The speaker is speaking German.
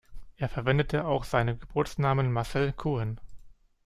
Er verwendete auch seinen Geburtsnamen "Marcel Cohen".